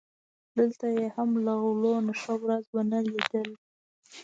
دلته یې هم له غلو نه ښه ورځ و نه لیده.